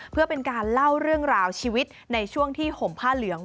เพื่อเป็นการเล่าเรื่องราวชีวิตในช่วงที่ห่มผ้าเหลือง